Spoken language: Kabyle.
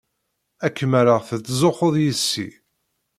Ad kem-rreɣ tettzuxxuḍ yess-i.